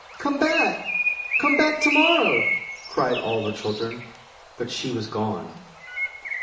"Come back! Come back to morrow!" cried all the children; but she was gone.